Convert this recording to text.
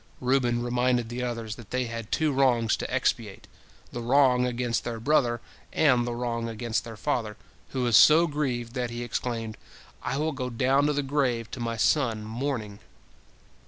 Reuben reminded the others that they had two wrongs to expiate, the wrong against their brother and the wrong against their father, who was so grieved that he exclaimed, "I will go down to the grave to my son mourning."